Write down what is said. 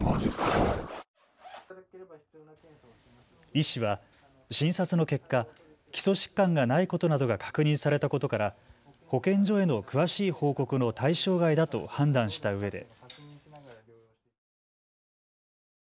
医師は診察の結果、基礎疾患がないことなどが確認されたことから保健所への詳しい報告の対象外だと判断したうえで。